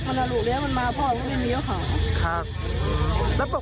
รักมันอาลูกแล้วมันมาพ่อมันไม่มีเยอะข่าว